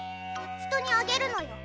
人にあげるのよ。